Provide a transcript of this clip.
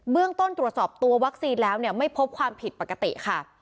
เรื่องต้นตรวจสอบตัววัคซีนแล้วเนี่ยไม่พบความผิดปกติค่ะ